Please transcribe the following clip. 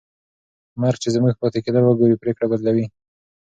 مرګ چې زموږ پاتې کېدل وګوري، پرېکړه بدلوي.